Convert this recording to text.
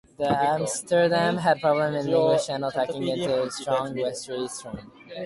The "Amsterdam" had problems in the English Channel tacking into a strong westerly storm.